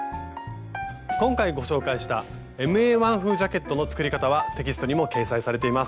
今回ご紹介したＭＡ−１風ジャケットの作り方はテキストにも掲載されています。